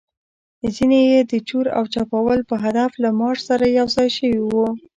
ځینې يې د چور او چپاول په هدف له مارش سره یوځای شوي وو.